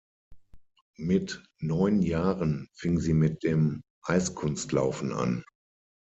Mit neun Jahren fing sie mit dem Eiskunstlaufen an.